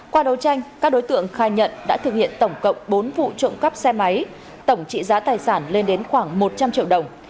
qua đấu tranh các đối tượng khai nhận đã thực hiện tổng cộng bốn vụ trộm cắp xe máy tổng trị giá tài sản lên đến khoảng một trăm linh triệu đồng